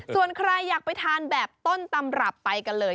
ส่วนใครอยากไปทานแบบต้นตำรับไปกันเลย